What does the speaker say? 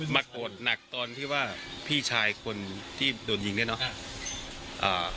โกรธหนักตอนที่ว่าพี่ชายคนที่โดนยิงเนี่ยเนอะ